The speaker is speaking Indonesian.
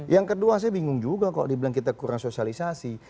yang kedua saya bingung juga kalau dibilang kita kurang sosialisasi